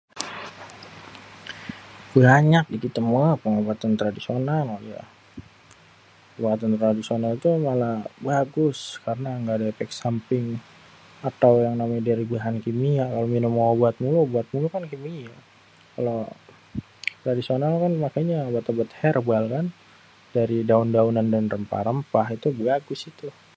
Buanyak di kite mah pengobatan tradisional ya. Ya obat tradisional itu bagus karena gak ada efek samping apa yang namanya dari bahan kimia, yang minum obat mulu. Obat mulu kan kimia, kalo tradisional kan pake nya obat-obat herbal kan dari daun-daunan rempah-rempah itu buagus itu.